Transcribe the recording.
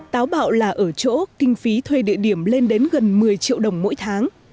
táo bạo là ở chỗ kinh phí thuê địa điểm lên đến gần một mươi triệu đồng mỗi tháng